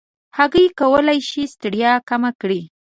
هګۍ کولی شي ستړیا کمه کړي.